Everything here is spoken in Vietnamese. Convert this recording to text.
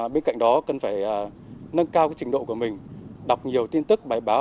bên cạnh đó cần phải nâng cao trình độ của mình đọc nhiều tin tức bài báo